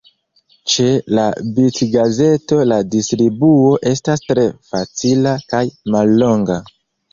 Ĉe la bitgazeto la distribuo estas tre facila kaj mallonga.